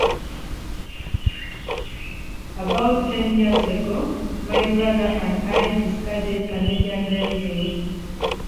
About ten years ago, my brother and I discovered Canadian raising.